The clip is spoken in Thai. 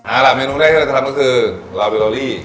อะล่ะเมนูใดที่เราจะทำก็คือลาเวลโรลี่